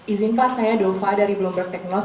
izin pak saya dova dari bloomber technos